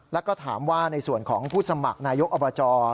แล้วก็ถามว่าในส่วนของผู้สมัครนายกอบจ